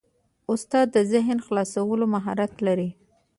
استاد د ذهن خلاصولو مهارت لري.